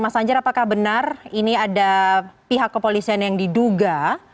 mas anjar apakah benar ini ada pihak kepolisian yang diduga